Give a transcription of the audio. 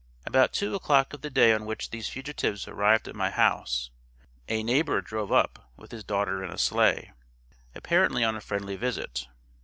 About two o'clock of the day on which these fugitives arrived at my house, a neighbor drove up with his daughter in a sleigh, apparently on a friendly visit.